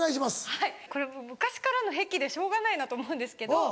はいこれもう昔からの癖でしょうがないなと思うんですけど。